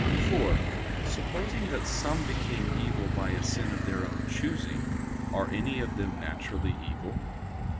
(4) Supposing that some became evil by a sin of their own choosing, are any of them naturally evil?